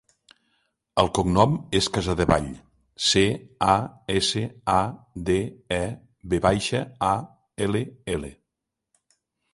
El cognom és Casadevall: ce, a, essa, a, de, e, ve baixa, a, ela, ela.